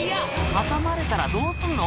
挟まれたらどうすんの？